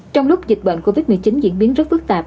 trong lúc dịch bệnh covid một mươi chín diễn biến rất phức tạp